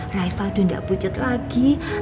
raisa udah gak bucet lagi